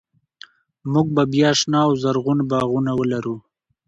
موږ به بیا شنه او زرغون باغونه ولرو.